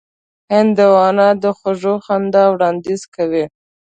هندوانه د خوږ خندا وړاندیز کوي.